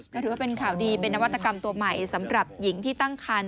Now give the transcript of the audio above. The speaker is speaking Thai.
ก็ถือว่าเป็นข่าวดีเป็นนวัตกรรมตัวใหม่สำหรับหญิงที่ตั้งคัน